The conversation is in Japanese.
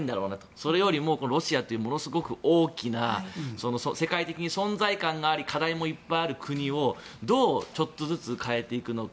それよりもロシアというものすごく大きな世界的に存在感もあり課題もいっぱいある国をどうちょっとずつ変えていくのか。